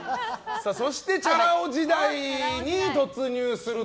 そしてチャラ男時代に突入すると。